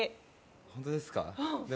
本当ですか？